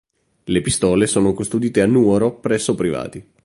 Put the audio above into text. Le pistole sono custodite a Nuoro presso privati.